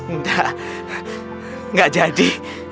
enggak enggak jadi